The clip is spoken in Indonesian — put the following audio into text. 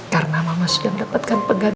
karena mama sudah mendapatkan pekerjaan